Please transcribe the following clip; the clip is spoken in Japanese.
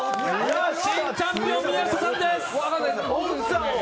新チャンピオン、宮下さんです。